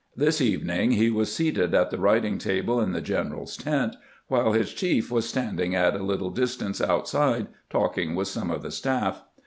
This evening he was seated at the writing table in the general's tent, while his chief was standing at a little distance outside talk ing with some of the staff.